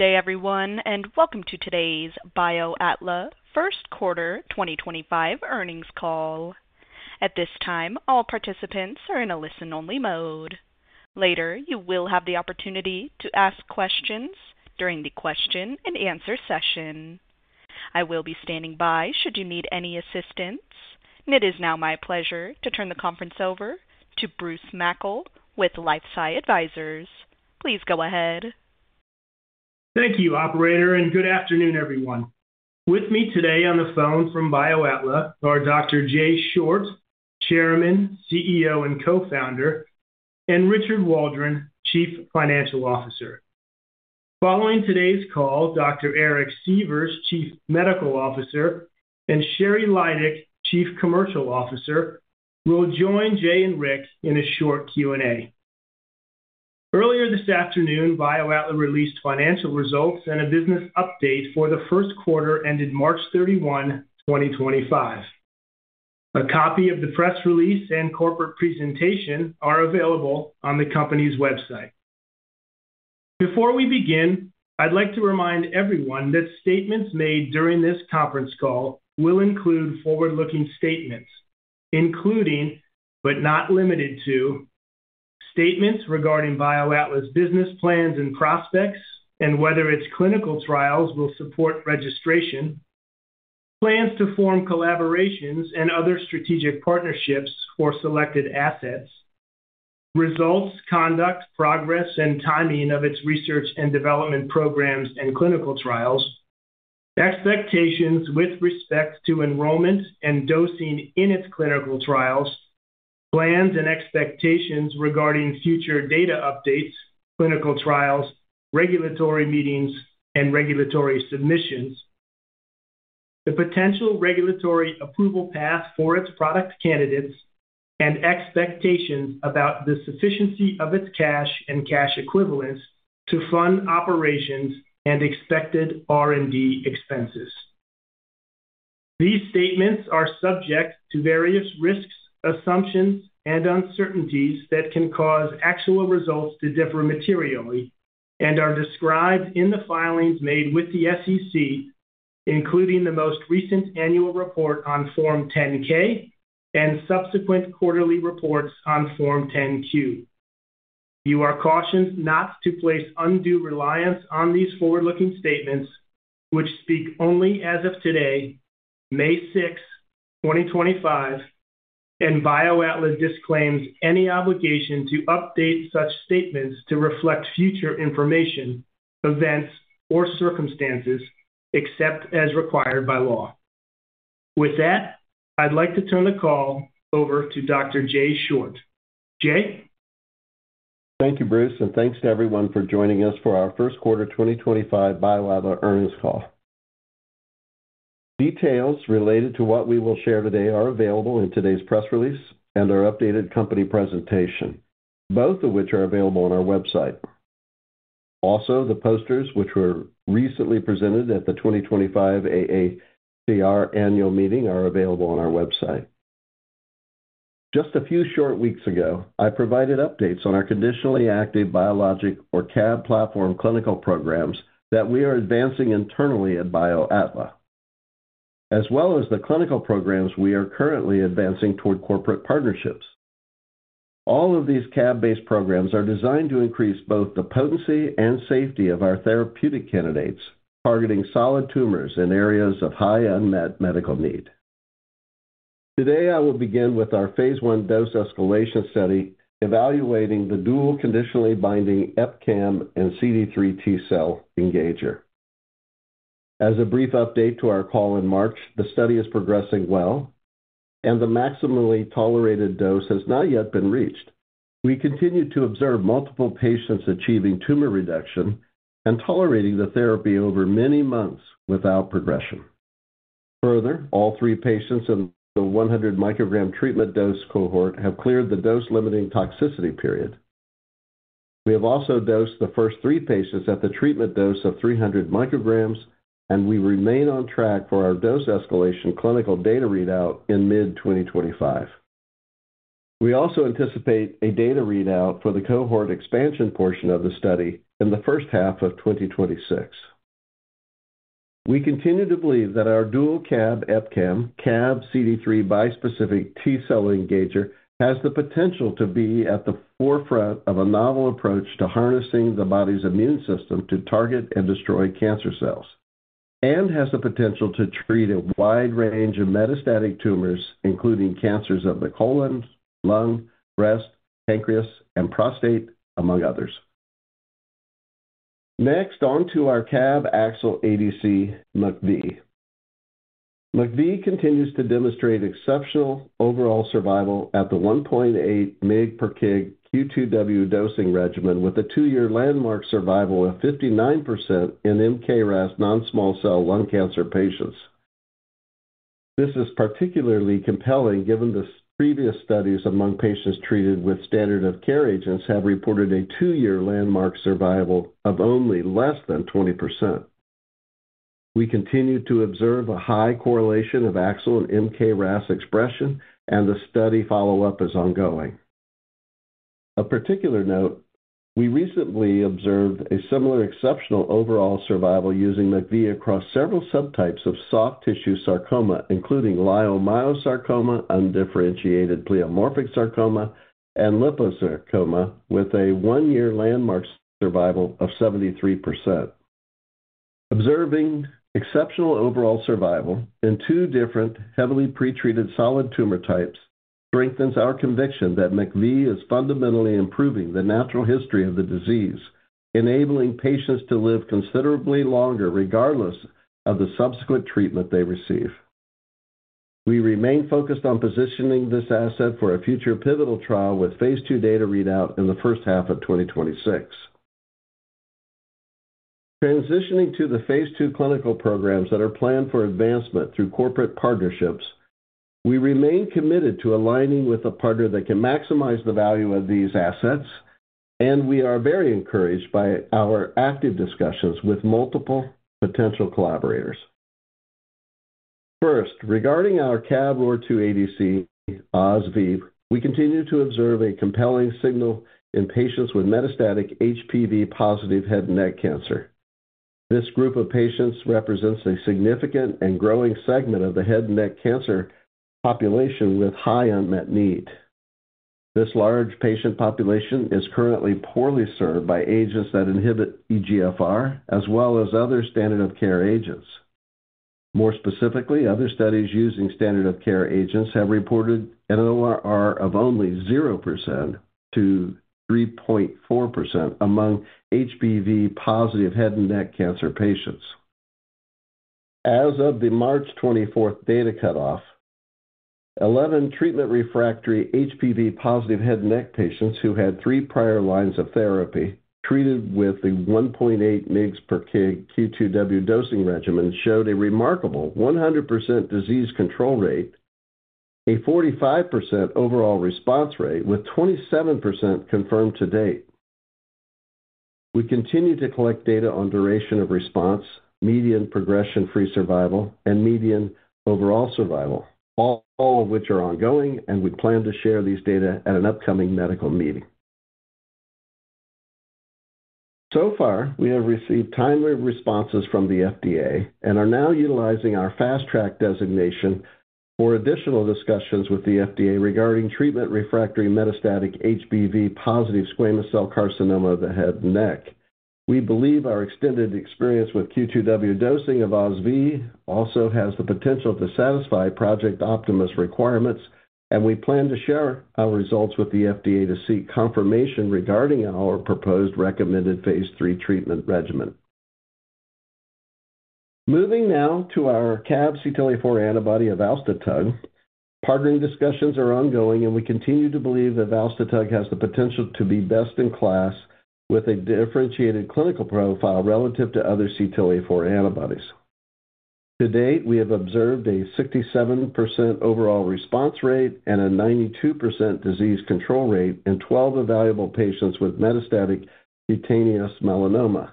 Good day, everyone, and welcome to today's BioAtla First Quarter 2025 Earnings Call. At this time, all participants are in a listen-only mode. Later, you will have the opportunity to ask questions during the question-and-answer session. I will be standing by should you need any assistance. It is now my pleasure to turn the conference over to Bruce Mackle with LifeSci Advisors. Please go ahead. Thank you, Operator, and good afternoon, everyone. With me today on the phone from BioAtla are Dr. Jay Short, Chairman, CEO, and Co-founder, and Richard Waldron, Chief Financial Officer. Following today's call, Dr. Eric Sievers, Chief Medical Officer, and Sheri Lydick, Chief Commercial Officer, will join Jay and Rick in a short Q&A. Earlier this afternoon, BioAtla released financial results and a business update for the first quarter ended March 31, 2025. A copy of the press release and corporate presentation are available on the company's website. Before we begin, I'd like to remind everyone that statements made during this conference call will include forward-looking statements, including, but not limited to, statements regarding BioAtla's business plans and prospects, and whether its clinical trials will support registration, plans to form collaborations and other strategic partnerships for selected assets, results, conduct, progress, and timing of its research and development programs and clinical trials, expectations with respect to enrollment and dosing in its clinical trials, plans and expectations regarding future data updates, clinical trials, regulatory meetings, and regulatory submissions, the potential regulatory approval path for its product candidates, and expectations about the sufficiency of its cash and cash equivalents to fund operations and expected R&D expenses. These statements are subject to various risks, assumptions, and uncertainties that can cause actual results to differ materially and are described in the filings made with the SEC, including the most recent annual report on Form 10-K and subsequent quarterly reports on Form 10-Q. You are cautioned not to place undue reliance on these forward-looking statements, which speak only as of today, May 6, 2025, and BioAtla disclaims any obligation to update such statements to reflect future information, events, or circumstances except as required by law. With that, I'd like to turn the call over to Dr. Jay Short. Jay? Thank you, Bruce, and thanks to everyone for joining us for our first quarter 2025 BioAtla earnings call. Details related to what we will share today are available in today's press release and our updated company presentation, both of which are available on our website. Also, the posters, which were recently presented at the 2025 AACR annual meeting, are available on our website. Just a few short weeks ago, I provided updates on our conditionally active biologic or CAB platform clinical programs that we are advancing internally at BioAtla, as well as the clinical programs we are currently advancing toward corporate partnerships. All of these CAB-based programs are designed to increase both the potency and safety of our therapeutic candidates, targeting solid tumors in areas of high unmet medical need. Today, I will begin with our phase I dose escalation study evaluating the dual conditionally binding EpCAM and CD3 T cell engager. As a brief update to our call in March, the study is progressing well, and the maximally tolerated dose has not yet been reached. We continue to observe multiple patients achieving tumor reduction and tolerating the therapy over many months without progression. Further, all three patients in the 100 microgram treatment dose cohort have cleared the dose-limiting toxicity period. We have also dosed the first three patients at the treatment dose of 300 micrograms, and we remain on track for our dose escalation clinical data readout in mid-2025. We also anticipate a data readout for the cohort expansion portion of the study in the first half of 2026. We continue to believe that our dual CAB EpCAM, CAB CD3 bispecific T cell engager, has the potential to be at the forefront of a novel approach to harnessing the body's immune system to target and destroy cancer cells, and has the potential to treat a wide range of metastatic tumors, including cancers of the colon, lung, breast, pancreas, and prostate, among others. Next, on Ozuriftamab Vedotin continues to demonstrate exceptional overall survival at the 1.8 mg/kg Q2W dosing regimen with a two-year landmark survival of 59% in KRAS non-small cell lung cancer patients. This is particularly compelling given the previous studies among patients treated with standard of care agents have reported a two-year landmark survival of only less than 20%. We continue to observe a high correlation of AXL and KRAS expression, and the study follow-up is ongoing. A particular note, we recently observed a similar exceptional overall survival using McV across several subtypes of soft tissue sarcoma, including leiomyosarcoma, undifferentiated pleomorphic sarcoma, and liposarcoma, with a one-year landmark survival of 73%. Observing exceptional overall survival in two different heavily pretreated solid tumor types strengthens our conviction that McV is fundamentally improving the natural history of the disease, enabling patients to live considerably longer regardless of the subsequent treatment they receive. We remain focused on positioning this asset for a future pivotal trial with phase II data readout in the first half of 2026. Transitioning to the phase II clinical programs that are planned for advancement through corporate partnerships, we remain committed to aligning with a partner that can maximize the value of these assets, and we are very encouraged by our active discussions with multiple potential collaborators. First, regarding our CAB-ROR2-ADC, OSV, we continue to observe a compelling signal in patients with metastatic HPV-positive head and neck cancer. This group of patients represents a significant and growing segment of the head and neck cancer population with high unmet need. This large patient population is currently poorly served by agents that inhibit EGFR, as well as other standard of care agents. More specifically, other studies using standard of care agents have reported an ORR of only 0%-3.4% among HPV-positive head and neck cancer patients. As of the March 24th data cutoff, 11 treatment refractory HPV-positive head and neck patients who had three prior lines of therapy treated with the 1.8 mg/kg Q2W dosing regimen showed a remarkable 100% disease control rate, a 45% overall response rate, with 27% confirmed to date. We continue to collect data on duration of response, median progression-free survival, and median overall survival, all of which are ongoing, and we plan to share these data at an upcoming medical meeting. We have received timely responses from the FDA and are now utilizing our fast-track designation for additional discussions with the FDA regarding treatment refractory metastatic HPV-positive squamous cell carcinoma of the head and neck. We believe our extended experience with Q2W dosing of Ozuriftamab Vedotin also has the potential to satisfy Project Optimus requirements, and we plan to share our results with the FDA to seek confirmation regarding our proposed recommended phase III treatment regimen. Moving now to our CAB-CTLA-4 antibody, Evalstotug, partnering discussions are ongoing, and we continue to believe that Evalstotug has the potential to be best in class with a differentiated clinical profile relative to other CTLA-4 antibodies. To date, we have observed a 67% overall response rate and a 92% disease control rate in 12 evaluable patients with metastatic cutaneous melanoma.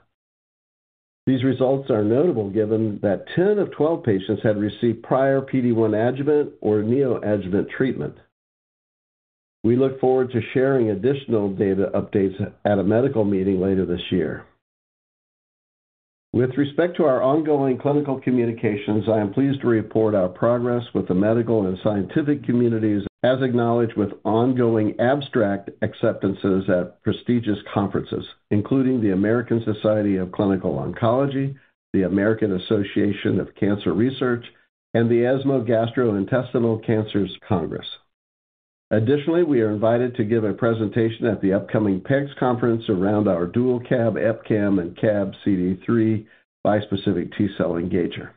These results are notable given that 10 of 12 patients had received prior PD-1 adjuvant or neoadjuvant treatment. We look forward to sharing additional data updates at a medical meeting later this year. With respect to our ongoing clinical communications, I am pleased to report our progress with the medical and scientific communities as acknowledged with ongoing abstract acceptances at prestigious conferences, including the American Society of Clinical Oncology, the American Association for Cancer Research, and the ASCO Gastrointestinal Cancers Symposium. Additionally, we are invited to give a presentation at the upcoming PEX conference around our dual CAB EpCAM and CAB CD3 bispecific T cell engager.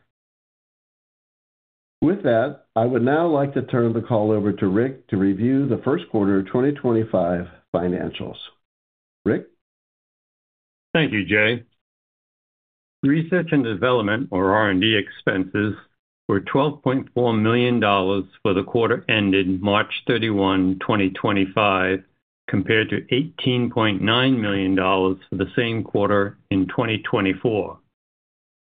With that, I would now like to turn the call over to Rick to review the first quarter 2025 financials. Rick? Thank you, Jay. Research and development, or R&D, expenses were $12.4 million for the quarter ended March 31, 2025, compared to $18.9 million for the same quarter in 2024.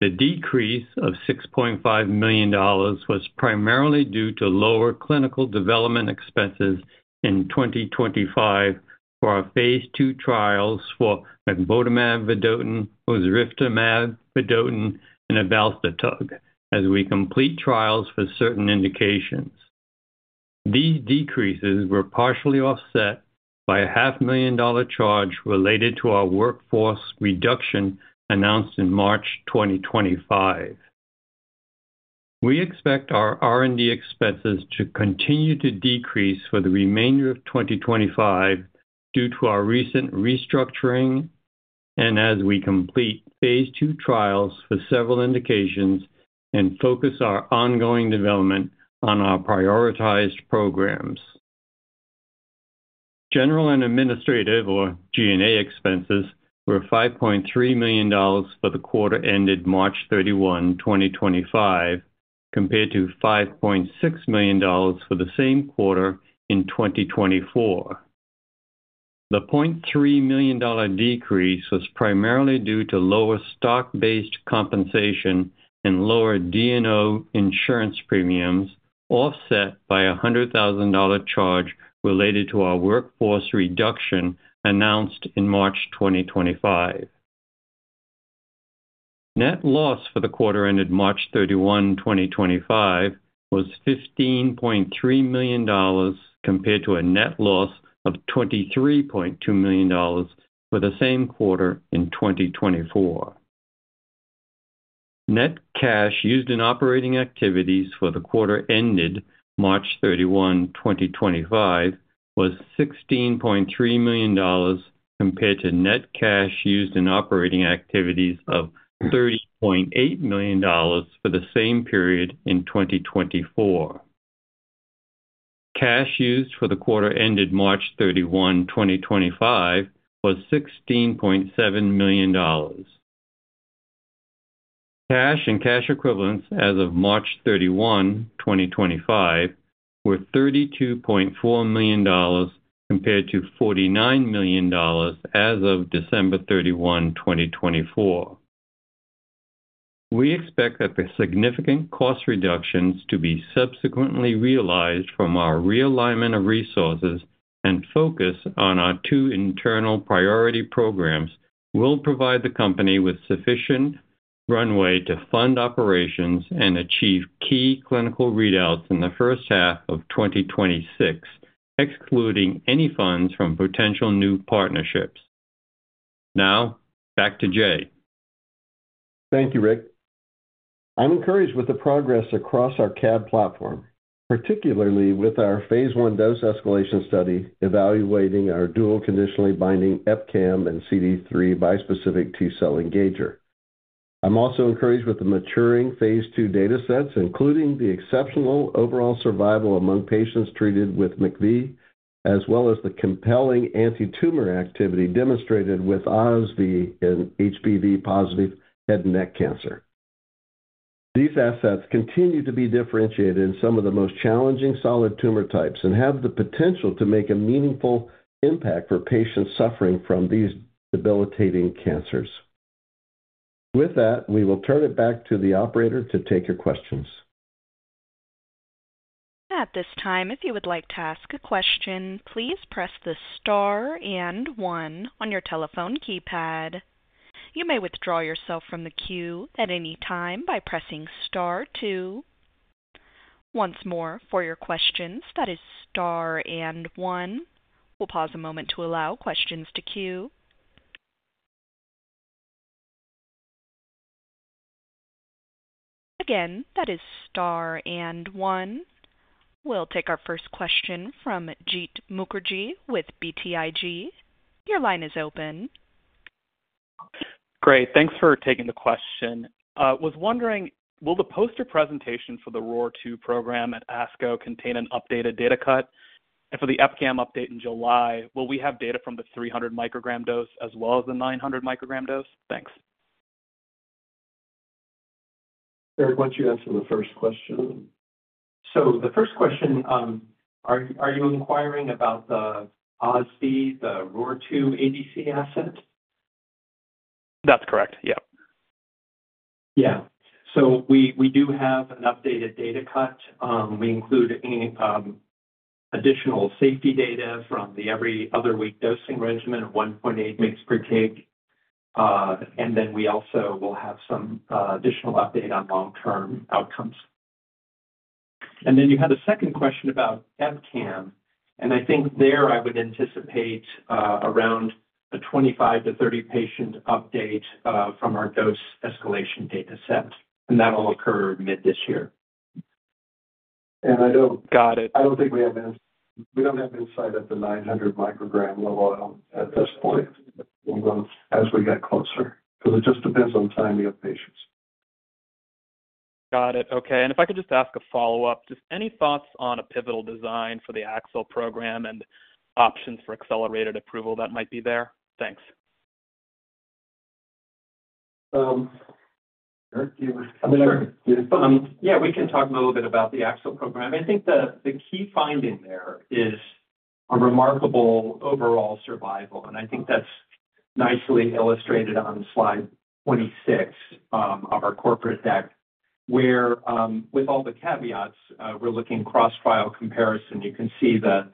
The decrease of $6.5 million was primarily due to lower clinical development expenses in 2025 for our phase II trials for Ozuriftamab Vedotin, Ozuriftamab, and Evalstotug as we complete trials for certain indications. These decreases were partially offset by a $500,000 charge related to our workforce reduction announced in March 2025. We expect our R&D expenses to continue to decrease for the remainder of 2025 due to our recent restructuring and as we complete phase II trials for several indications and focus our ongoing development on our prioritized programs. General and administrative, or G&A, expenses were $5.3 million for the quarter ended March 31, 2025, compared to $5.6 million for the same quarter in 2024. The $0.3 million decrease was primarily due to lower stock-based compensation and lower D&O insurance premiums, offset by a $100,000 charge related to our workforce reduction announced in March 2025. Net loss for the quarter ended March 31, 2025, was $15.3 million compared to a net loss of $23.2 million for the same quarter in 2024. Net cash used in operating activities for the quarter ended March 31, 2025, was $16.3 million compared to net cash used in operating activities of $30.8 million for the same period in 2024. Cash used for the quarter ended March 31, 2025, was $16.7 million. Cash and cash equivalents as of March 31, 2025, were $32.4 million compared to $49 million as of December 31, 2024. We expect that the significant cost reductions to be subsequently realized from our realignment of resources and focus on our two internal priority programs will provide the company with sufficient runway to fund operations and achieve key clinical readouts in the first half of 2026, excluding any funds from potential new partnerships. Now, back to Jay. Thank you, Rick. I'm encouraged with the progress across our CAB platform, particularly with our phase I dose escalation study evaluating our dual conditionally binding EpCAM and CD3 bispecific T cell engager. I'm also encouraged with the maturing phase II data sets, including the exceptional overall survival among patients treated with Ozuriftamab Vedotin, as well as the compelling anti-tumor activity demonstrated with ozuriftamab in HPV-positive head and neck cancer. These assets continue to be differentiated in some of the most challenging solid tumor types and have the potential to make a meaningful impact for patients suffering from these debilitating cancers. With that, we will turn it back to the operator to take your questions. At this time, if you would like to ask a question, please press the star and one on your telephone keypad. You may withdraw yourself from the queue at any time by pressing star two. Once more, for your questions, that is star and one. We'll pause a moment to allow questions to queue. Again, that is star and one. We'll take our first question from Jeet Mukherjee with BTIG. Your line is open. Great. Thanks for taking the question. I was wondering, will the poster presentation for the ROR2 program at ASCO contain an updated data cut? For the EpCAM update in July, will we have data from the 300 microgram dose as well as the 900 microgram dose? Thanks. Eric, why don't you answer the first question? Are you inquiring about the OSV, the ROR2 ADC asset? That's correct. Yep. Yeah. We do have an updated data cut. We include additional safety data from the every other week dosing regimen of 1.8 mg/kg, and then we also will have some additional update on long-term outcomes. You had a second question about EpCAM, and I think there I would anticipate around a 25-30 patient update from our dose escalation data set, and that'll occur mid this year. I don't. Got it. I don't think we have insight. We don't have insight at the 900 microgram level at this point as we get closer because it just depends on timing of patients. Got it. Okay. If I could just ask a follow-up, just any thoughts on a pivotal design for the AXL program and options for accelerated approval that might be there? Thanks. Eric, do you want to? Yeah, we can talk a little bit about the AXL program. I think the key finding there is a remarkable overall survival, and I think that's nicely illustrated on slide 26 of our corporate deck, where with all the caveats, we're looking cross-trial comparison. You can see the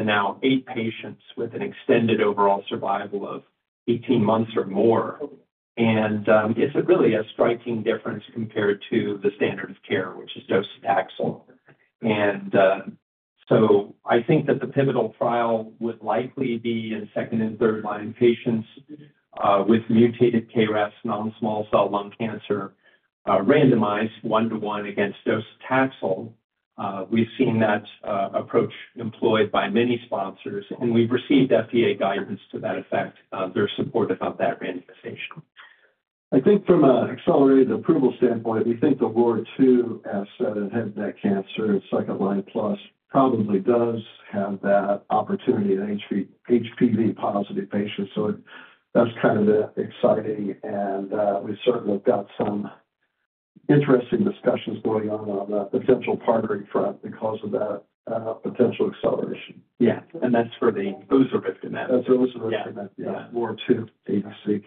now eight patients with an extended overall survival of 18 months or more, and it's really a striking difference compared to the standard of care, which is docetaxel. I think that the pivotal trial would likely be in second and third-line patients with mutated KRAS non-small cell lung cancer, randomized one-to-one against docetaxel. We've seen that approach employed by many sponsors, and we've received FDA guidance to that effect. They're supportive of that randomization. I think from an accelerated approval standpoint, we think the ROR2 asset in head and neck cancer and second-line plus probably does have that opportunity in HPV-positive patients. That is kind of exciting, and we certainly have got some interesting discussions going on on the potential partnering front because of that potential acceleration. Yeah. And that's for the Ozuriftamab. That's Ozuriftamab, yeah, ROR2 ADC.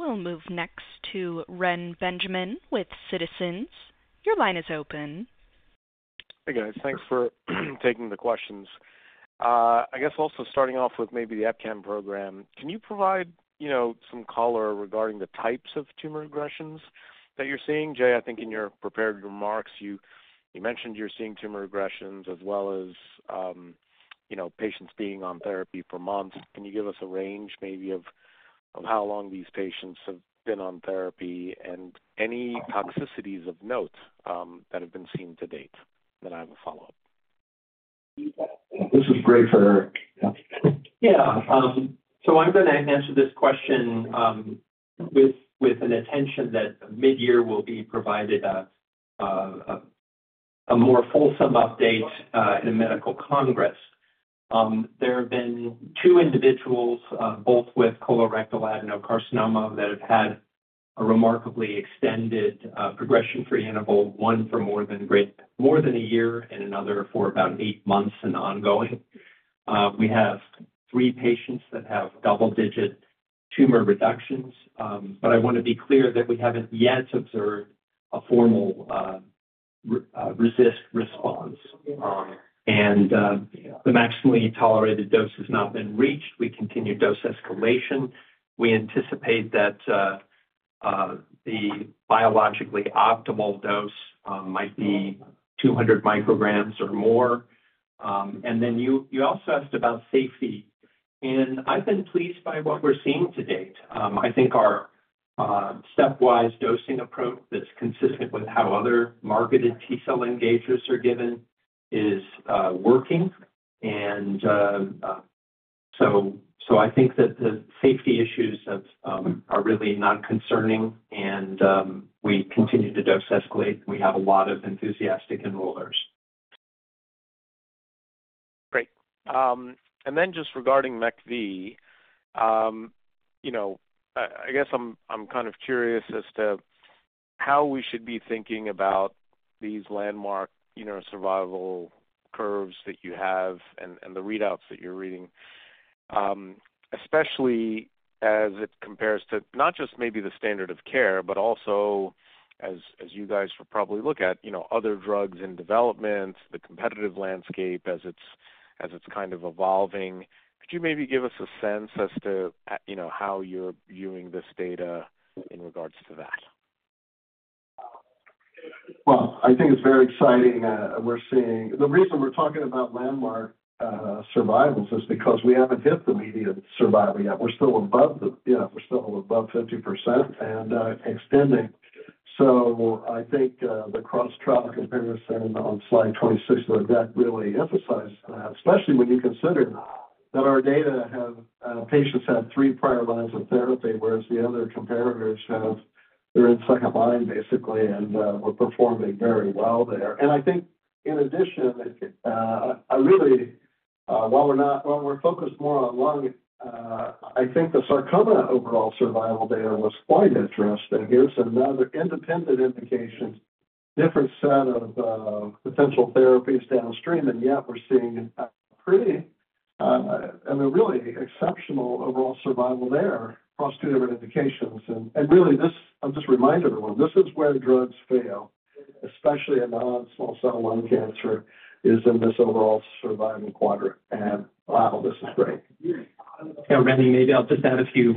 We'll move next to Ren Benjamin with Citizens. Your line is open. Hey, guys. Thanks for taking the questions. I guess also starting off with maybe the EpCAM program, can you provide some color regarding the types of tumor regressions that you're seeing? Jay, I think in your prepared remarks, you mentioned you're seeing tumor regressions as well as patients being on therapy for months. Can you give us a range maybe of how long these patients have been on therapy and any toxicities of note that have been seen to date? I have a follow-up. This is great for Eric. Yeah. I'm going to answer this question with an attention that mid-year will be provided a more fulsome update in the medical congress. There have been two individuals, both with colorectal adenocarcinoma, that have had a remarkably extended progression-free interval, one for more than a year and another for about eight months and ongoing. We have three patients that have double-digit tumor reductions, but I want to be clear that we haven't yet observed a formal RECIST response. The maximally tolerated dose has not been reached. We continue dose escalation. We anticipate that the biologically optimal dose might be 200 micrograms or more. You also asked about safety, and I've been pleased by what we're seeing to date. I think our stepwise dosing approach that's consistent with how other marketed T cell engagers are given is working. I think that the safety issues are really not concerning, and we continue to dose escalate. We have a lot of enthusiastic enrollers. Great. Just regarding McV, I guess I'm kind of curious as to how we should be thinking about these landmark survival curves that you have and the readouts that you're reading, especially as it compares to not just maybe the standard of care, but also as you guys will probably look at other drugs in development, the competitive landscape as it's kind of evolving. Could you maybe give us a sense as to how you're viewing this data in regards to that? I think it's very exciting. The reason we're talking about landmark survivals is because we haven't hit the median survival yet. We're still above 50% and extending. I think the cross-trial comparison on slide 26 of the deck really emphasizes that, especially when you consider that our data have patients had three prior lines of therapy, whereas the other comparators are in second line, basically, and we're performing very well there. I think in addition, while we're focused more on lung, the sarcoma overall survival data was quite interesting. Here's another independent indication, different set of potential therapies downstream, and yet we're seeing a pretty and a really exceptional overall survival there across two different indications. I'll just remind everyone, this is where drugs fail, especially in non-small cell lung cancer, is in this overall survival quadrant. Wow, this is great. Yeah, Ren, maybe I'll just add a few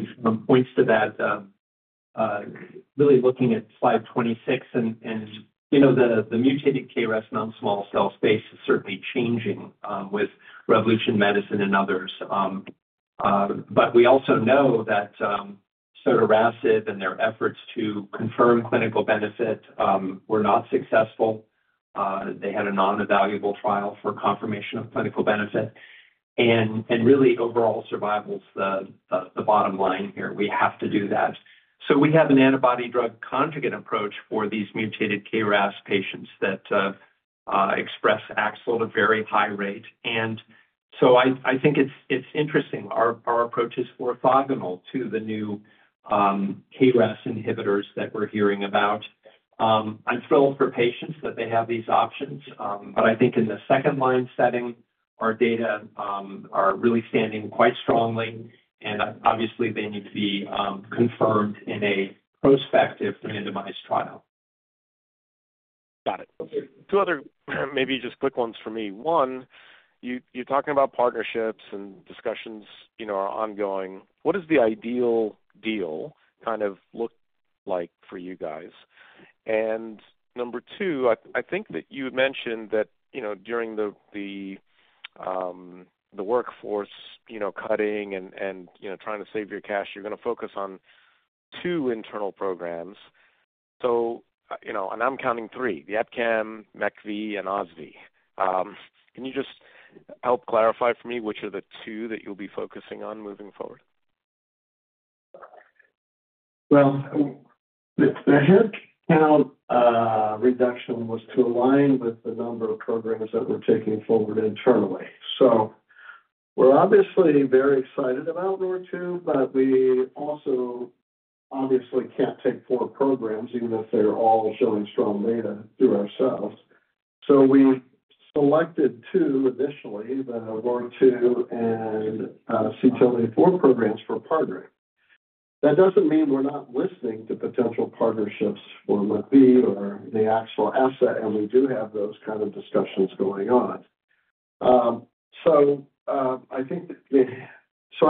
points to that. Really looking at slide 26, and the mutated KRAS non-small cell space is certainly changing with Revolution Medicine and others. We also know that sotorasib and their efforts to confirm clinical benefit were not successful. They had a non-evaluable trial for confirmation of clinical benefit. Really, overall survival's the bottom line here. We have to do that. We have an antibody-drug conjugate approach for these mutated KRAS patients that express AXL at a very high rate. I think it's interesting. Our approach is orthogonal to the new KRAS inhibitors that we're hearing about. I'm thrilled for patients that they have these options, but I think in the second-line setting, our data are really standing quite strongly, and obviously, they need to be confirmed in a prospective randomized trial. Got it. Two other maybe just quick ones for me. One, you're talking about partnerships and discussions are ongoing. What does the ideal deal kind of look like for you guys? Number two, I think that you mentioned that during the workforce cutting and trying to save your cash, you're going to focus on two internal programs. I'm counting three: the EpCAM, McV, and OSV. Can you just help clarify for me which are the two that you'll be focusing on moving forward? The head count reduction was to align with the number of programs that we're taking forward internally. We're obviously very excited about ROR2, but we also obviously can't take four programs even if they're all showing strong data through ourselves. We selected two initially, the ROR2 and CTLA-4 programs for partnering. That doesn't mean we're not listening to potential partnerships for McV or the Axle asset, and we do have those kind of discussions going on.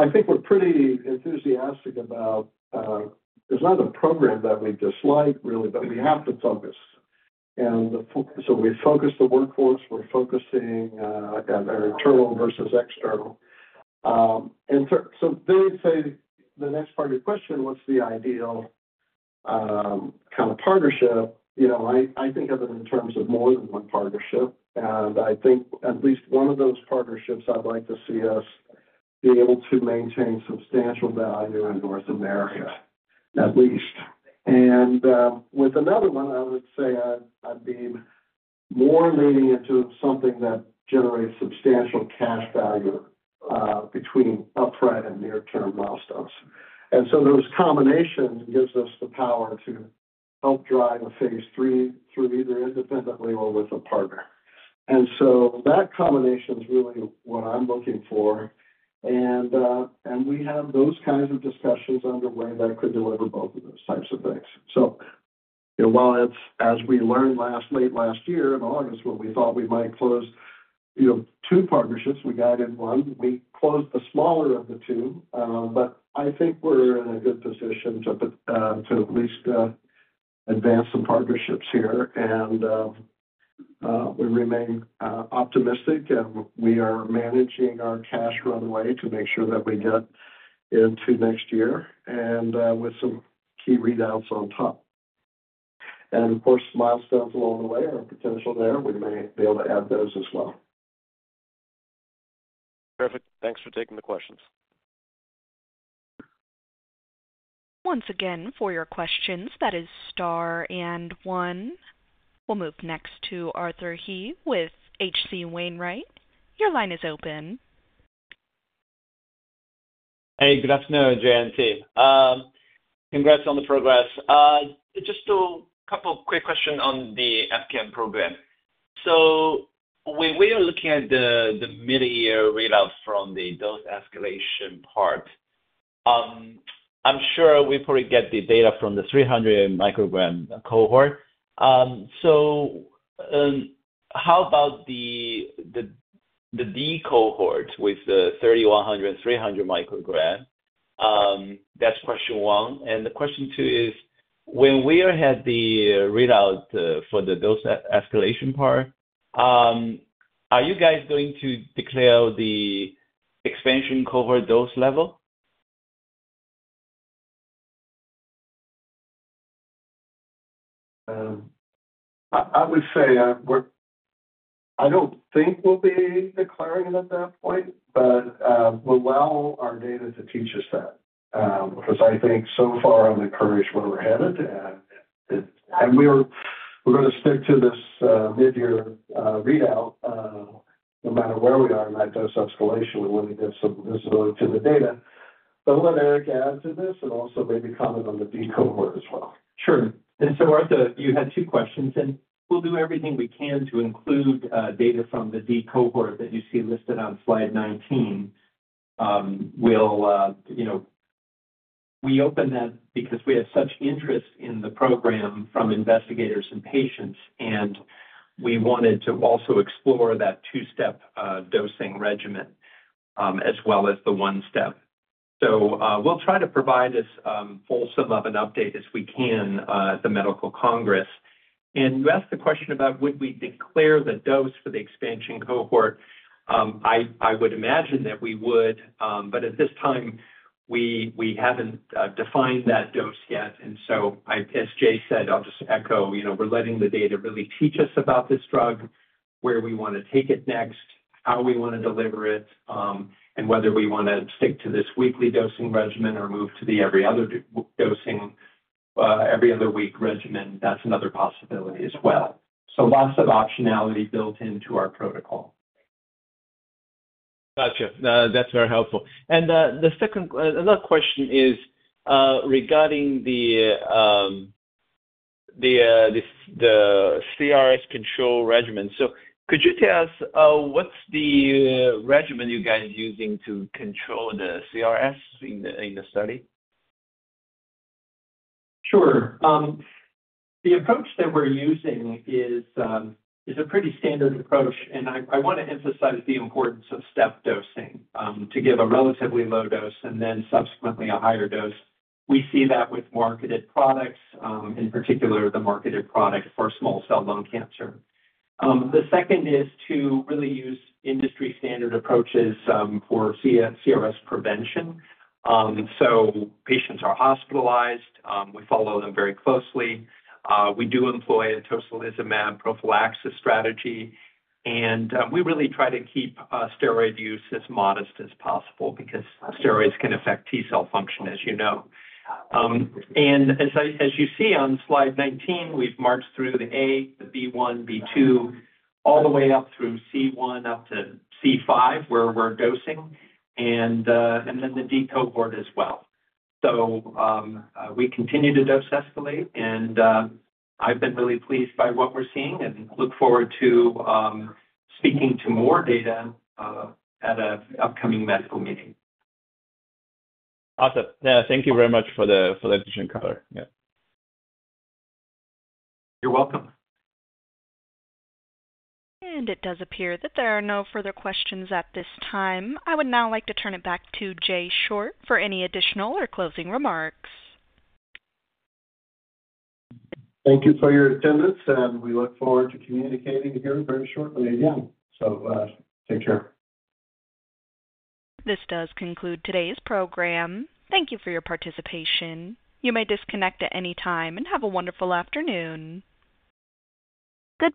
I think we're pretty enthusiastic about there's not a program that we dislike, really, but we have to focus. We focus the workforce. We're focusing at our internal versus external. Then you'd say the next part of your question, what's the ideal kind of partnership? I think of it in terms of more than one partnership, and I think at least one of those partnerships, I'd like to see us be able to maintain substantial value in North America, at least. With another one, I would say I'd be more leaning into something that generates substantial cash value between upfront and near-term milestones. Those combinations give us the power to help drive a phase three through either independently or with a partner. That combination is really what I'm looking for, and we have those kinds of discussions underway that could deliver both of those types of things. While it's as we learned late last year in August when we thought we might close two partnerships, we guided one. We closed the smaller of the two, but I think we're in a good position to at least advance the partnerships here, and we remain optimistic, and we are managing our cash runway to make sure that we get into next year with some key readouts on top. Of course, milestones along the way are potential there. We may be able to add those as well. Perfect. Thanks for taking the questions. Once again, for your questions, that is star and one. We'll move next to Arthur He with HC Wainwright. Your line is open. Hey, good afternoon, Jay and Tee. Congrats on the progress. Just a couple of quick questions on the EpCAM program. When we are looking at the mid-year readouts from the dose escalation part, I'm sure we probably get the data from the 300 microgram cohort. How about the D cohort with the 3,100 and 300 microgram? That's question one. The question two is, when we had the readout for the dose escalation part, are you guys going to declare the expansion cohort dose level? I would say I don't think we'll be declaring it at that point, but we'll allow our data to teach us that because I think so far on the courage where we're headed, and we're going to stick to this mid-year readout no matter where we are in that dose escalation. We want to give some visibility to the data. I'll let Eric add to this and also maybe comment on the D cohort as well. Sure. Arthur, you had two questions, and we'll do everything we can to include data from the D cohort that you see listed on slide 19. We open that because we have such interest in the program from investigators and patients, and we wanted to also explore that two-step dosing regimen as well as the one-step. We'll try to provide as fulsome of an update as we can at the medical congress. You asked the question about would we declare the dose for the expansion cohort. I would imagine that we would, but at this time, we haven't defined that dose yet. As Jay said, I'll just echo, we're letting the data really teach us about this drug, where we want to take it next, how we want to deliver it, and whether we want to stick to this weekly dosing regimen or move to the every other dosing every other week regimen. That's another possibility as well. Lots of optionality built into our protocol. Gotcha. That's very helpful. The second another question is regarding the CRS control regimen. Could you tell us what's the regimen you guys are using to control the CRS in the study? Sure. The approach that we're using is a pretty standard approach, and I want to emphasize the importance of step dosing to give a relatively low dose and then subsequently a higher dose. We see that with marketed products, in particular the marketed product for small cell lung cancer. The second is to really use industry-standard approaches for CRS prevention. Patients are hospitalized. We follow them very closely. We do employ a tocilizumab prophylaxis strategy, and we really try to keep steroid use as modest as possible because steroids can affect T cell function, as you know. As you see on slide 19, we've marched through the A, the B1, B2, all the way up through C1 up to C5 where we're dosing, and then the D cohort as well. We continue to dose escalate, and I've been really pleased by what we're seeing and look forward to speaking to more data at an upcoming medical meeting. Awesome. Thank you very much for the additional color. Yeah. You're welcome. It does appear that there are no further questions at this time. I would now like to turn it back to Jay Short for any additional or closing remarks. Thank you for your attendance, and we look forward to communicating here very shortly again. Take care. This does conclude today's program. Thank you for your participation. You may disconnect at any time and have a wonderful afternoon. Good.